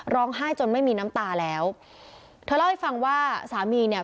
ร้องไห้จนไม่มีน้ำตาแล้วเธอเล่าให้ฟังว่าสามีเนี่ย